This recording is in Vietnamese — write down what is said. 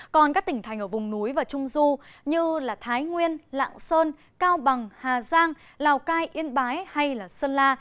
còn các tỉnh thành ở vùng núi và trung du như thái nguyên lạng sơn cao bằng hà giang lào cai yên bái hay sơn la